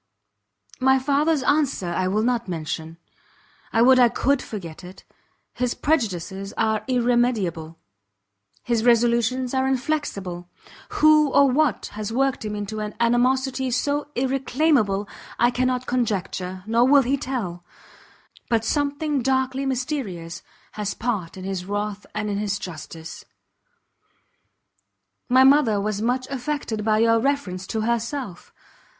My father's answer I will not mention; I would I could forget it! his prejudices are irremediable, his resolutions are inflexible. Who or what has worked him into an animosity so irreclaimable, I cannot conjecture, nor will he tell; but something darkly mysterious has part in his wrath and his injustice. My mother was much affected by your reference to herself.